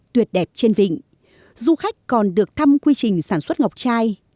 tuyệt đẹp trên vịnh du khách còn được thăm quy trình sản xuất ngọc trai